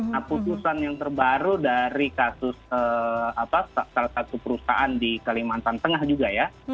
nah putusan yang terbaru dari kasus salah satu perusahaan di kalimantan tengah juga ya